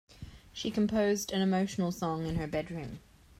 She composed an emotional song in her bedroom.